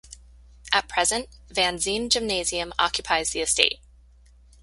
At present, Vandzene Gymnasium occupies the estate.